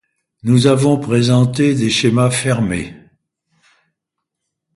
Nous avons présenté des schémas fermés.